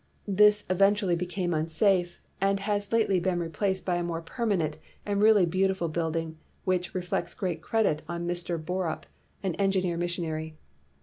This eventually became unsafe, and has lately been replaced 274 DID IT PAY? by a more permanent and really beautiful building, which reflects great credit on Mr. Borup, an engineer missionary.